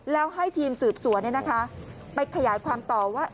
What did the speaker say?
แล้วให้ทีมสืบสวนเนี่ยนะคะไปขยายความตอบว่า